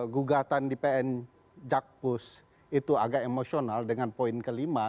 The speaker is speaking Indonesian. gugatan di pn jakpus itu agak emosional dengan poin kelima